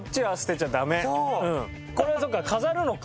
これはそっか飾るのか。